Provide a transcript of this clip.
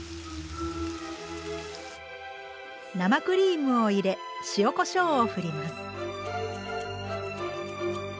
生クリームを入れ塩・こしょうをふります。